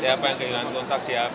siapa yang kehilangan kontak siapa